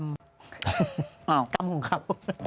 อ้าวกรรมของเขา